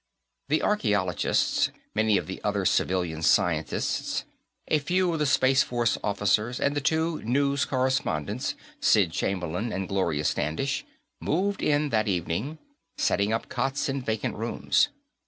The archaeologists, many of the other civilian scientists, a few of the Space Force officers and the two news correspondents, Sid Chamberlain and Gloria Standish, moved in that evening, setting up cots in vacant rooms.